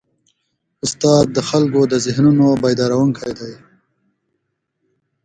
استاد د خلکو د ذهنونو بیدارونکی دی.